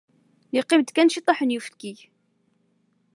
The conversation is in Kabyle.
Yeqqim-d kan ciṭṭaḥ n uyefki.